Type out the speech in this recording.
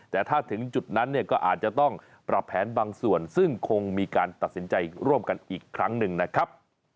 แต่ถ้าถึงจุดนั้นเนี่ยก็อาจจะต้องปรับแผนบางส่วนซึ่งคงมีการตัดสินใจร่วมกันอีกครั้งหนึ่งนะครับ